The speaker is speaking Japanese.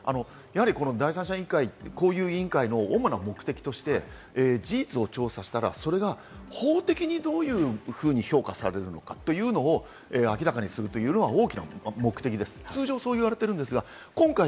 第三者委員会、こういう委員会の主な目的として事実を調査したら、それが法的にどういうふうに評価されるのかというのを明らかにするというのは大きな目的です。